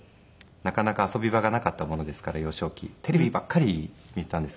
なかなか遊び場がなかったものですから幼少期テレビばっかり見ていたんですよ。